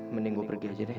mending gua pergi aja deh